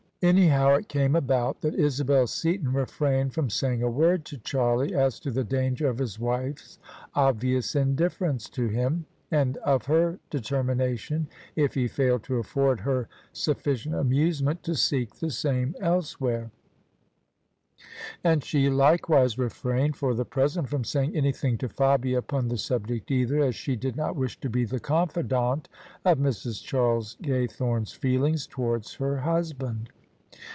Anyhow it came about that Isabel Seaton refrained from saying a word to Charlie as to the danger of his wife's obvious indifiEerence to him, and of her determination — if he failed to afiEord her suflS cient amusement — ^to seek the same elsewhere: and she likewise refrained for the present from saying anything to Fabia upon the subject either, as she did not wish to be the confidante of Mrs, Charles Gaythome's feelings towards her husband.